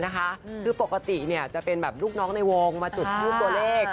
คือปกติจะเป็นแบบลูกน้องในวงมาจุดทูปตัวเลข